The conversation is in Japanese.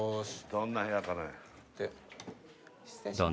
どんな部屋かな？